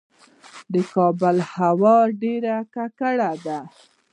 د کابل هوا ډیره ککړه ده